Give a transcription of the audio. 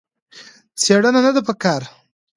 څېړنه نه ده په کار.